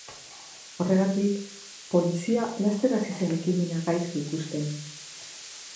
Horregatik, polizia laster hasi zen ekimena gaizki ikusten.